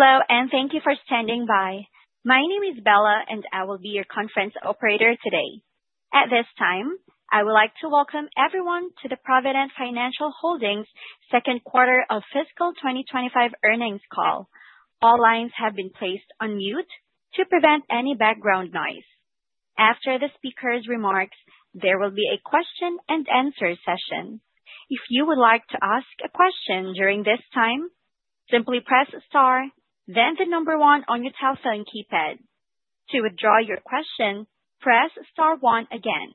Hello, and thank you for standing by. My name is Bella, and I will be your conference operator today. At this time, I would like to welcome everyone to the Provident Financial Holdings second quarter of fiscal 2025 earnings call. All lines have been placed on mute to prevent any background noise. After the speaker's remarks, there will be a question-and-answer session. If you would like to ask a question during this time, simply press star, then the number one on your telephone keypad. To withdraw your question, press star one again.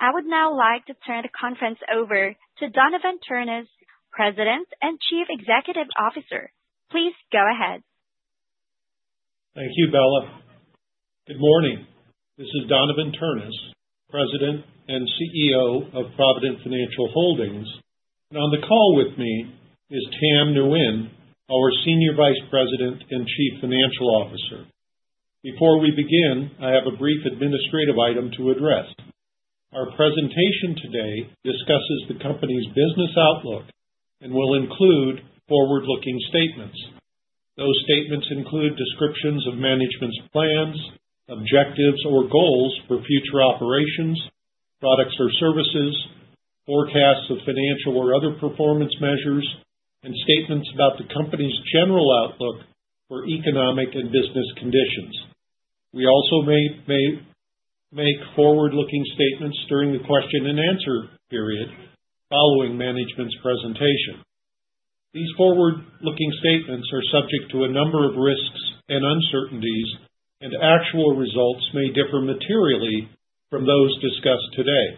I would now like to turn the conference over to Donavon Ternes, President and Chief Executive Officer. Please go ahead. Thank you, Bella. Good morning. This is Donavon Ternes, President and CEO of Provident Financial Holdings. On the call with me is Tam Nguyen, our Senior Vice President and Chief Financial Officer. Before we begin, I have a brief administrative item to address. Our presentation today discusses the company's business outlook and will include forward-looking statements. Those statements include descriptions of management's plans, objectives, or goals for future operations, products or services, forecasts of financial or other performance measures, and statements about the company's general outlook for economic and business conditions. We also may make forward-looking statements during the question-and-answer period following management's presentation. These forward-looking statements are subject to a number of risks and uncertainties, and actual results may differ materially from those discussed today.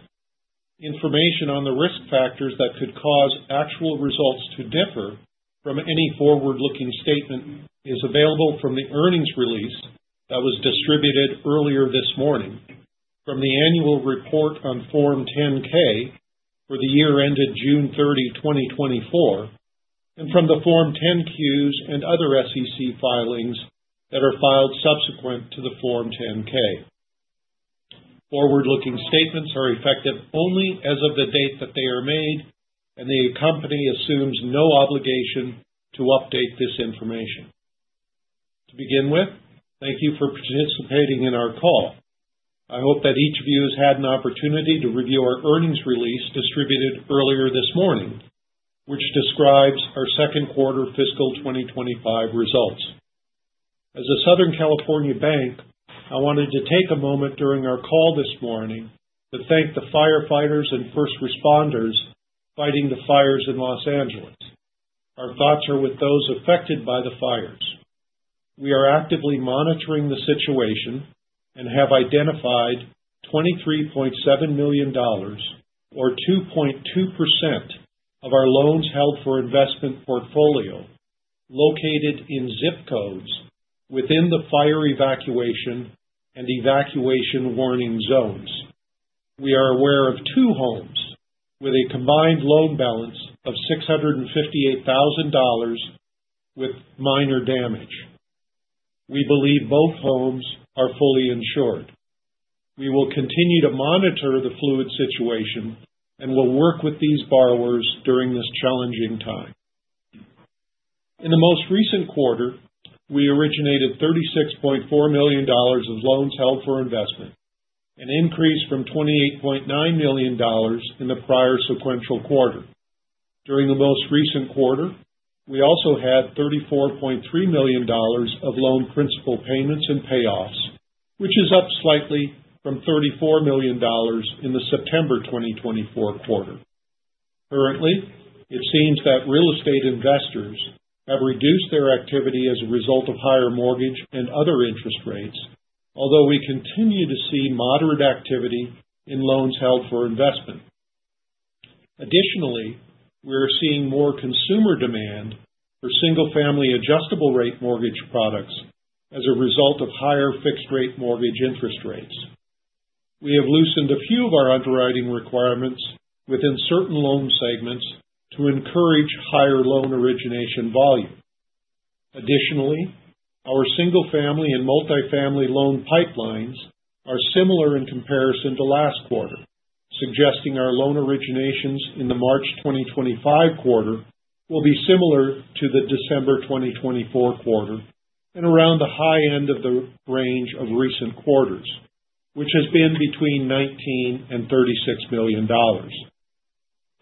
Information on the risk factors that could cause actual results to differ from any forward-looking statement is available from the earnings release that was distributed earlier this morning, from the annual report on Form 10-K for the year ended June 30, 2024, and from the Form 10-Qs and other SEC filings that are filed subsequent to the Form 10-K. Forward-looking statements are effective only as of the date that they are made, and the company assumes no obligation to update this information. To begin with, thank you for participating in our call. I hope that each of you has had an opportunity to review our earnings release distributed earlier this morning, which describes our second quarter fiscal 2025 results. As a Southern California bank, I wanted to take a moment during our call this morning to thank the firefighters and first responders fighting the fires in Los Angeles. Our thoughts are with those affected by the fires. We are actively monitoring the situation and have identified $23.7 million, or 2.2% of our loans held for investment portfolio, located in ZIP codes within the fire evacuation and evacuation warning zones. We are aware of two homes with a combined loan balance of $658,000 with minor damage. We believe both homes are fully insured. We will continue to monitor the fluid situation and will work with these borrowers during this challenging time. In the most recent quarter, we originated $36.4 million of loans held for investment, an increase from $28.9 million in the prior sequential quarter. During the most recent quarter, we also had $34.3 million of loan principal payments and payoffs, which is up slightly from $34 million in the September 2024 quarter. Currently, it seems that real estate investors have reduced their activity as a result of higher mortgage and other interest rates, although we continue to see moderate activity in loans held for investment. Additionally, we are seeing more consumer demand for single-family adjustable-rate mortgage products as a result of higher fixed-rate mortgage interest rates. We have loosened a few of our underwriting requirements within certain loan segments to encourage higher loan origination volume. Additionally, our single-family and multi-family loan pipelines are similar in comparison to last quarter, suggesting our loan originations in the March 2025 quarter will be similar to the December 2024 quarter and around the high end of the range of recent quarters, which has been between $19million and $36 million.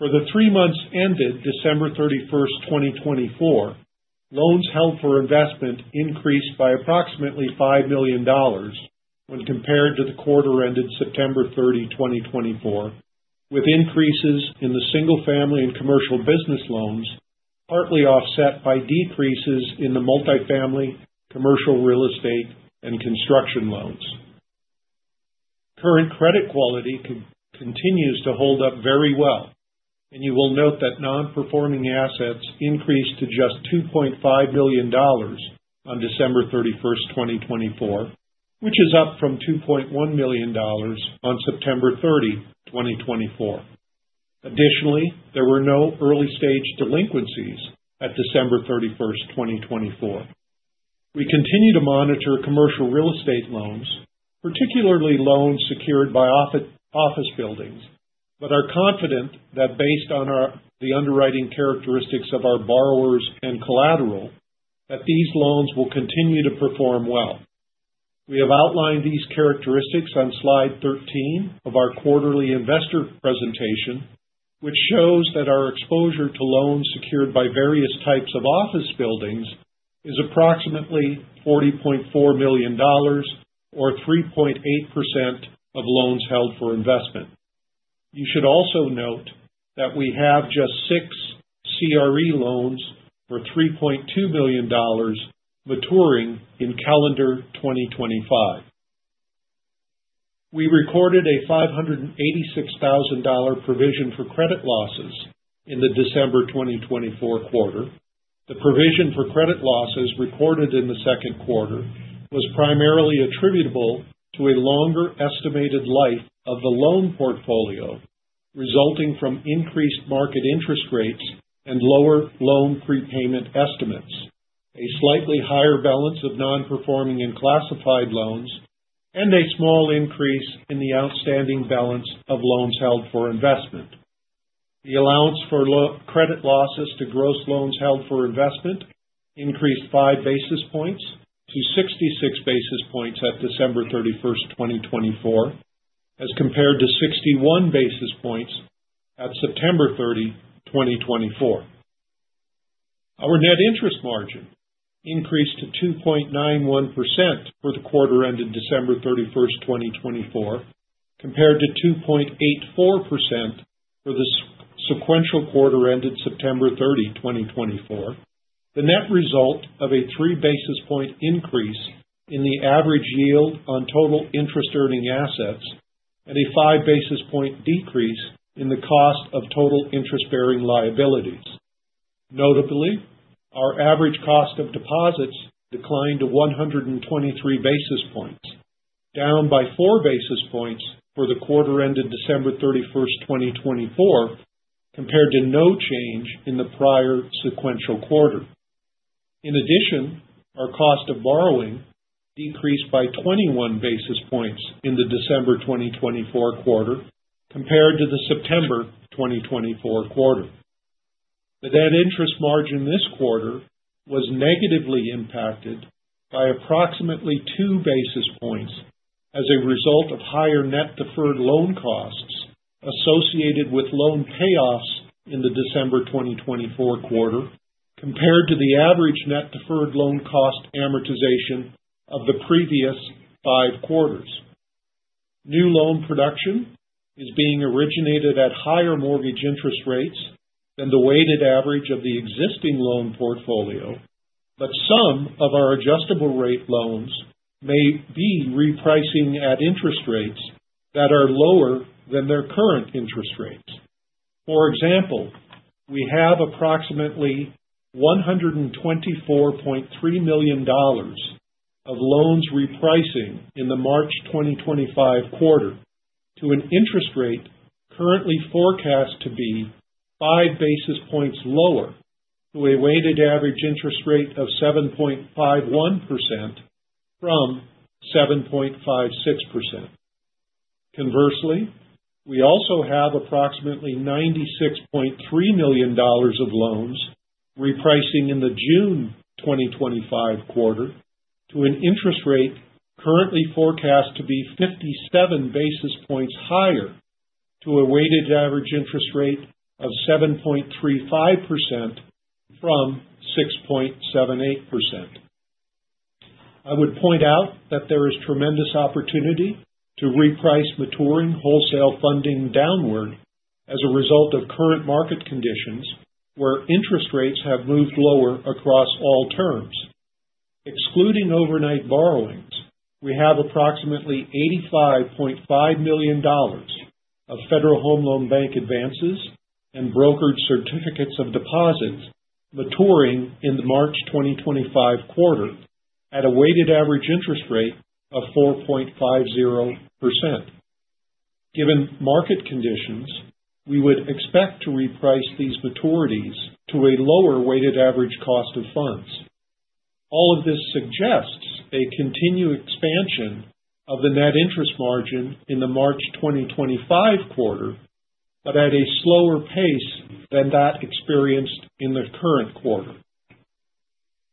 For the three months ended December 31, 2024, loans held for investment increased by approximately $5 million when compared to the quarter ended September 30, 2024, with increases in the single-family and commercial business loans partly offset by decreases in the multi-family, commercial real estate, and construction loans. Current credit quality continues to hold up very well, and you will note that non-performing assets increased to just $2.5 million on December 31, 2024, which is up from $2.1 million on September 30, 2024. Additionally, there were no early-stage delinquencies at December 31, 2024. We continue to monitor commercial real estate loans, particularly loans secured by office buildings, but are confident that based on the underwriting characteristics of our borrowers and collateral, these loans will continue to perform well. We have outlined these characteristics on slide 13 of our quarterly investor presentation, which shows that our exposure to loans secured by various types of office buildings is approximately $40.4 million, or 3.8% of loans held for investment. You should also note that we have just six CRE loans for $3.2 million maturing in calendar 2025. We recorded a $586,000 provision for credit losses in the December 2024 quarter. The provision for credit losses recorded in the second quarter was primarily attributable to a longer estimated life of the loan portfolio resulting from increased market interest rates and lower loan prepayment estimates, a slightly higher balance of non-performing and classified loans, and a small increase in the outstanding balance of loans held for investment. The allowance for credit losses to gross loans held for investment increased five basis points to 66 basis points at December 31, 2024, as compared to 61 basis points at September 30, 2024. Our net interest margin increased to 2.91% for the quarter ended December 31, 2024, compared to 2.84% for the sequential quarter ended September 30, 2024, the net result of a three basis point increase in the average yield on total interest-earning assets and a five basis point decrease in the cost of total interest-bearing liabilities. Notably, our average cost of deposits declined to 123 basis points, down by four basis points for the quarter ended December 31, 2024, compared to no change in the prior sequential quarter. In addition, our cost of borrowing decreased by 21 basis points in the December 2024 quarter compared to the September 2024 quarter. The net interest margin this quarter was negatively impacted by approximately two basis points as a result of higher net deferred loan costs associated with loan payoffs in the December 2024 quarter compared to the average net deferred loan cost amortization of the previous five quarters. New loan production is being originated at higher mortgage interest rates than the weighted average of the existing loan portfolio, but some of our adjustable-rate loans may be repricing at interest rates that are lower than their current interest rates. For example, we have approximately $124.3 million of loans repricing in the March 2025 quarter to an interest rate currently forecast to be five basis points lower to a weighted average interest rate of 7.51% from 7.56%. Conversely, we also have approximately $96.3 million of loans repricing in the June 2025 quarter to an interest rate currently forecast to be 57 basis points higher to a weighted average interest rate of 7.35% from 6.78%. I would point out that there is tremendous opportunity to reprice maturing wholesale funding downward as a result of current market conditions where interest rates have moved lower across all terms. Excluding overnight borrowings, we have approximately $85.5 million of Federal Home Loan Bank advances and brokered certificates of deposit maturing in the March 2025 quarter at a weighted average interest rate of 4.50%. Given market conditions, we would expect to reprice these maturities to a lower weighted average cost of funds. All of this suggests a continued expansion of the net interest margin in the March 2025 quarter, but at a slower pace than that experienced in the current quarter.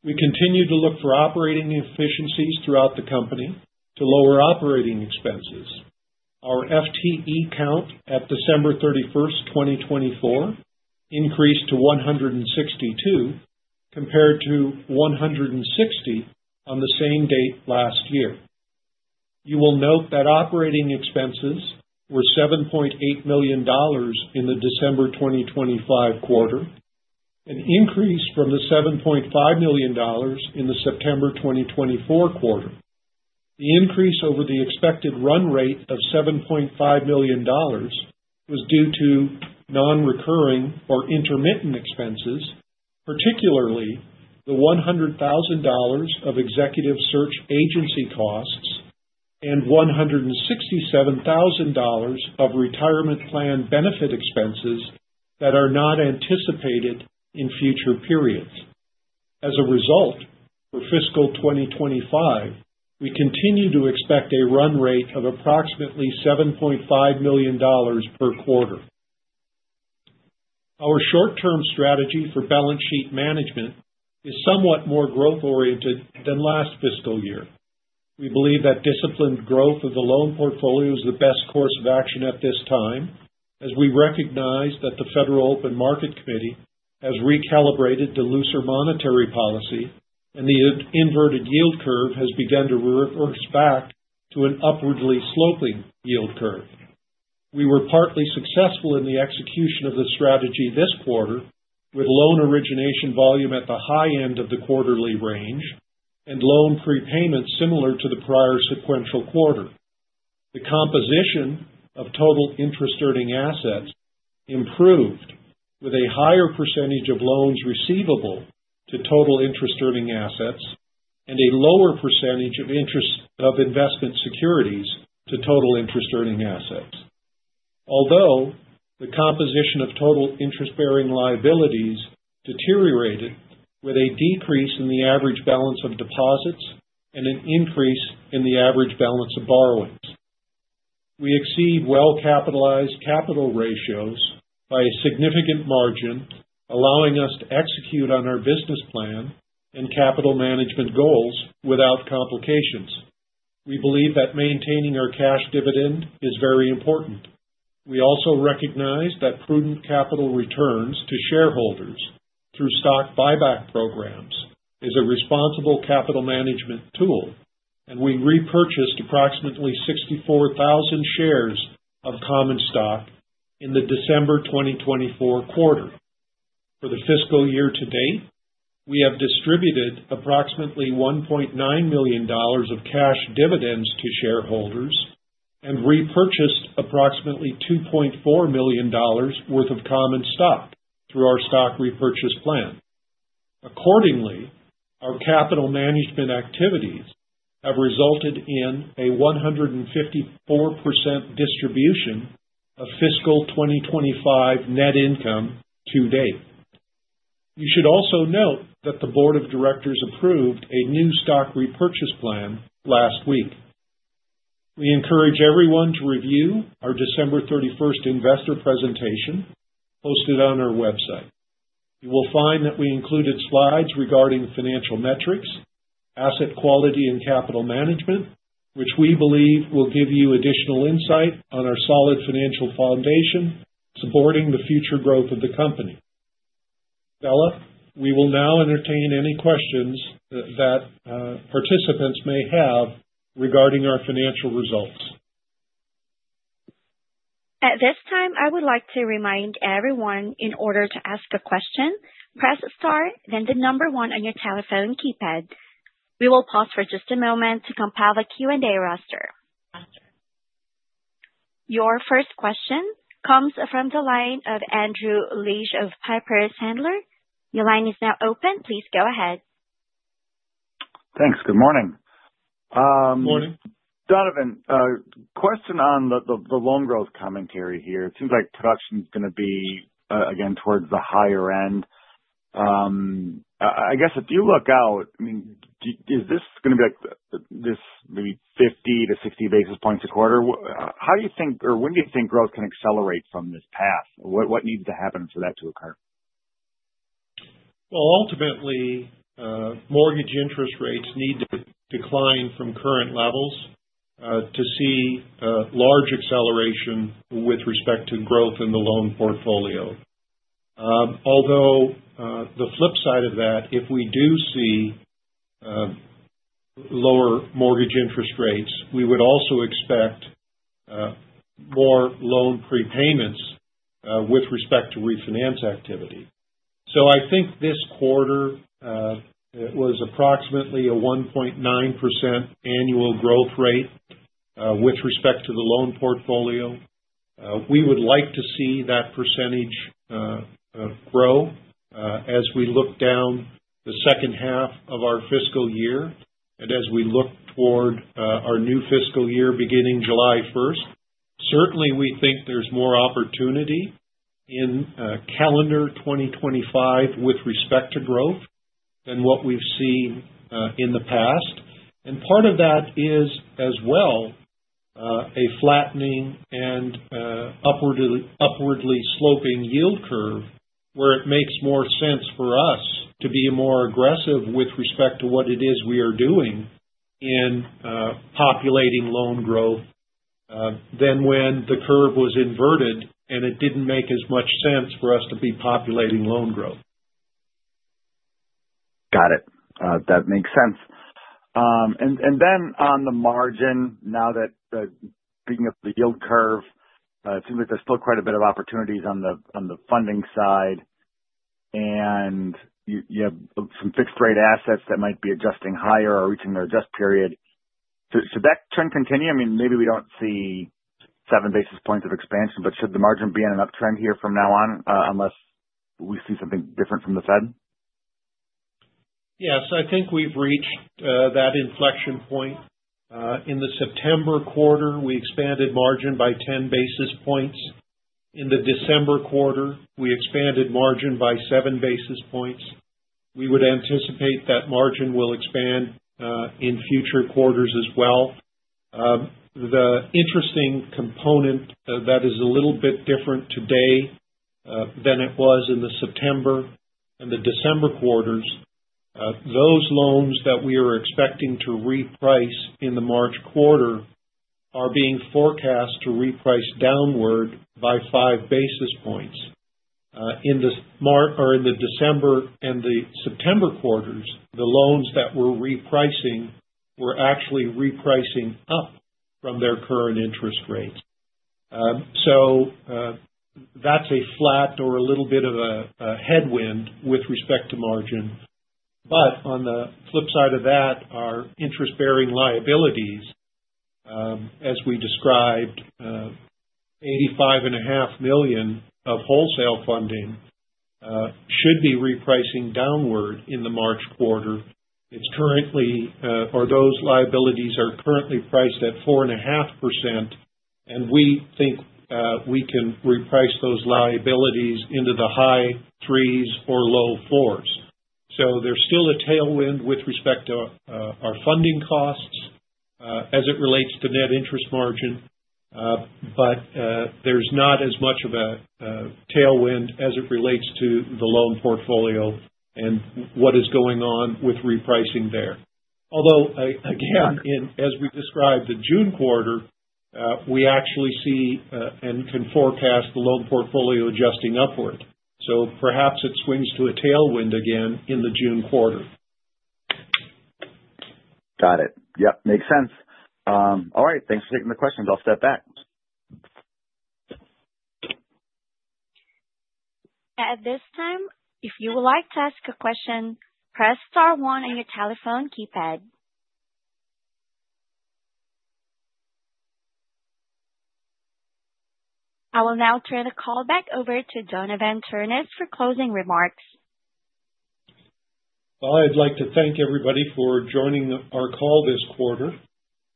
We continue to look for operating efficiencies throughout the company to lower operating expenses. Our FTE count at December 31, 2024, increased to 162 compared to 160 on the same date last year. You will note that operating expenses were $7.8 million in the December 2025 quarter, an increase from the $7.5 million in the September 2024 quarter. The increase over the expected run rate of $7.5 million was due to non-recurring or intermittent expenses, particularly the $100,000 of executive search agency costs and $167,000 of retirement plan benefit expenses that are not anticipated in future periods. As a result, for fiscal 2025, we continue to expect a run rate of approximately $7.5 million per quarter. Our short-term strategy for balance sheet management is somewhat more growth-oriented than last fiscal year. We believe that disciplined growth of the loan portfolio is the best course of action at this time, as we recognize that the Federal Open Market Committee has recalibrated the looser monetary policy, and the inverted yield curve has begun to reverse back to an upwardly sloping yield curve. We were partly successful in the execution of the strategy this quarter, with loan origination volume at the high end of the quarterly range and loan prepayments similar to the prior sequential quarter. The composition of total interest-earning assets improved with a higher percentage of loans receivable to total interest-earning assets and a lower percentage of investment securities to total interest-earning assets, although the composition of total interest-bearing liabilities deteriorated with a decrease in the average balance of deposits and an increase in the average balance of borrowings. We exceed well-capitalized capital ratios by a significant margin, allowing us to execute on our business plan and capital management goals without complications. We believe that maintaining our cash dividend is very important. We also recognize that prudent capital returns to shareholders through stock buyback programs is a responsible capital management tool, and we repurchased approximately 64,000 shares of common stock in the December 2024 quarter. For the fiscal year to date, we have distributed approximately $1.9 million of cash dividends to shareholders and repurchased approximately $2.4 million worth of common stock through our stock repurchase plan. Accordingly, our capital management activities have resulted in a 154% distribution of fiscal 2025 net income to date. You should also note that the Board of Directors approved a new stock repurchase plan last week. We encourage everyone to review our December 31 investor presentation posted on our website. You will find that we included slides regarding financial metrics, asset quality, and capital management, which we believe will give you additional insight on our solid financial foundation supporting the future growth of the company. Bella, we will now entertain any questions that participants may have regarding our financial results. At this time, I would like to remind everyone, in order to ask a question, press Star, then the number one on your telephone keypad. We will pause for just a moment to compile the Q&A roster. Your first question comes from the line of Andrew Liesch of Piper Sandler. Your line is now open. Please go ahead. Thanks. Good morning. Good morning. Donavon, question on the loan growth commentary here. It seems like production is going to be again towards the higher end. I guess if you look out, I mean, is this going to be like this maybe 50 to 60 basis points a quarter? How do you think, or when do you think growth can accelerate from this path? What needs to happen for that to occur? Well, ultimately, mortgage interest rates need to decline from current levels to see large acceleration with respect to growth in the loan portfolio. Although the flip side of that, if we do see lower mortgage interest rates, we would also expect more loan prepayments with respect to refinance activity. So I think this quarter was approximately a 1.9% annual growth rate with respect to the loan portfolio. We would like to see that percentage grow as we look down the second half of our fiscal year and as we look toward our new fiscal year beginning July 1st. Certainly, we think there's more opportunity in calendar 2025 with respect to growth than what we've seen in the past. And part of that is as well a flattening and upwardly sloping yield curve where it makes more sense for us to be more aggressive with respect to what it is we are doing in populating loan growth than when the curve was inverted and it didn't make as much sense for us to be populating loan growth. Got it. That makes sense. And then on the margin, now that speaking of the yield curve, it seems like there's still quite a bit of opportunities on the funding side, and you have some fixed-rate assets that might be adjusting higher or reaching their adjust period. Should that trend continue? I mean, maybe we don't see seven basis points of expansion, but should the margin be in an uptrend here from now on unless we see something different from the Fed? Yes. I think we've reached that inflection point. In the September quarter, we expanded margin by 10 basis points. In the December quarter, we expanded margin by seven basis points. We would anticipate that margin will expand in future quarters as well. The interesting component that is a little bit different today than it was in the September and the December quarters, those loans that we are expecting to reprice in the March quarter are being forecast to reprice downward by five basis points. In the December and the September quarters, the loans that we're repricing were actually repricing up from their current interest rates. So that's a flat or a little bit of a headwind with respect to margin. But on the flip side of that, our interest-bearing liabilities, as we described, $85.5 million of wholesale funding should be repricing downward in the March quarter. Those liabilities are currently priced at 4.5%, and we think we can reprice those liabilities into the high threes or low fours. So there's still a tailwind with respect to our funding costs as it relates to net interest margin, but there's not as much of a tailwind as it relates to the loan portfolio and what is going on with repricing there. Although, again, as we described the June quarter, we actually see and can forecast the loan portfolio adjusting upward. So perhaps it swings to a tailwind again in the June quarter. Got it. Yep. Makes sense. All right. Thanks for taking the questions. I'll step back. At this time, if you would like to ask a question, press Star 1 on your telephone keypad. I will now turn the call back over to Donavon Ternes for closing remarks. I'd like to thank everybody for joining our call this quarter,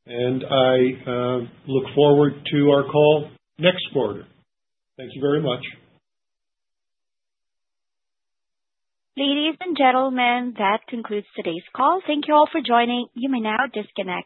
and I look forward to our call next quarter. Thank you very much. Ladies and gentlemen, that concludes today's call. Thank you all for joining. You may now disconnect.